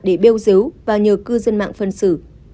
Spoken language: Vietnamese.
để bêu diếu và nhờ cư dân mạng phân xử